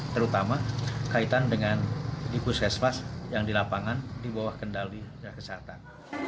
terutama kaitan dengan dipuskesmas yang dilapangan di bawah kendali dinas kesehatan